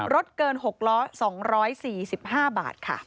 เกิน๖ล้อ๒๔๕บาทค่ะ